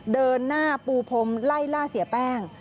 เดินหน้าปูพรมไล่ล่าเสียแป้ง